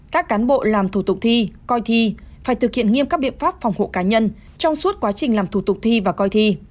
các cán bộ làm thủ tục thi coi thi phải thực hiện nghiêm các biện pháp phòng hộ cá nhân trong suốt quá trình làm thủ tục thi và coi thi